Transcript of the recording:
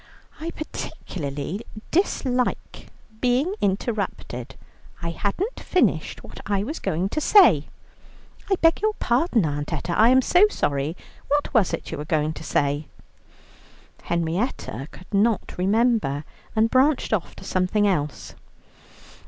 "I particularly dislike being interrupted. I hadn't finished what I was going to say." "I beg your pardon, Aunt Etta, I am so sorry. What was it you were going to say?" Henrietta could not remember, and branched off to something else.